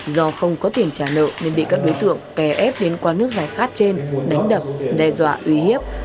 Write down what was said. do không có tiền trả nợ nên bị các đối tượng kè ép đến qua nước giải khát trên đánh đập đe dọa uy hiếp